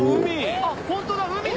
あっホントだ海だ！